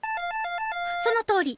そのとおり！